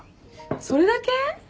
それだけ？